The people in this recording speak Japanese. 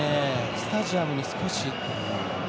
スタジアムに少し。